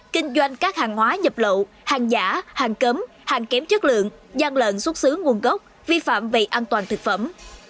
kinh doanh các hàng hóa nhập lậu hàng giả hàng cấm hàng kém chất lượng gian lợn xuất xứ nguồn gốc vi phạm về an toàn thực phẩm